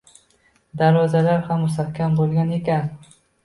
Darvozalari ham mustahkam bo'lgan ekan